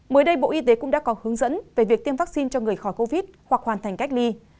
mới đây bộ y tế cũng đã có hướng dẫn về việc tiêm vaccine cho người khỏi covid hoặc hoàn thành cách ly